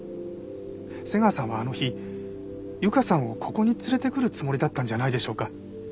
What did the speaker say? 瀬川さんはあの日優香さんをここに連れてくるつもりだったんじゃないでしょうか？